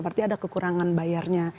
berarti ada kekurangan bayarnya